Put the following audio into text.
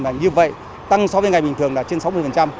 và như vậy tăng so với ngày bình thường là trên sáu mươi